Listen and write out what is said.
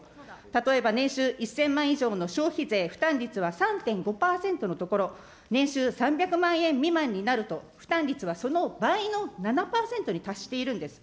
例えば、年収１０００万円以上の消費税負担率は３．５％のところ、年収３００万円未満になると、負担率はその倍の７％に達しているんです。